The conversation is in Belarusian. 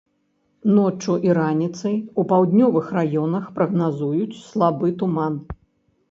Ноччу і раніцай у паўднёвых раёнах прагназуюць слабы туман.